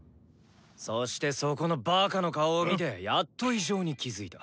そしてそこのバカの顔を見てやっと異常に気付いた。